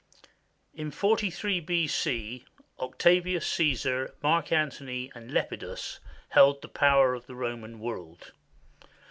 1836 1912) In 43 B.C., Octavius Caesar, Mark Antony, and Lepidus held the power of the Roman world.